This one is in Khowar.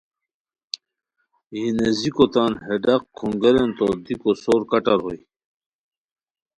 یی نیزیکو تان ہے ڈاق کھونگیرین تو دیکو سور کٹر ہوئے